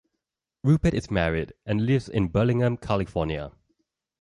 Rupert is married and lives in Burlingame, California.